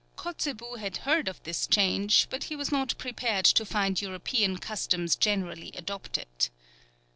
Kotzebue had heard of this change, but he was not prepared to find European customs generally adopted.